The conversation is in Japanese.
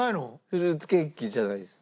フルーツケーキじゃないです。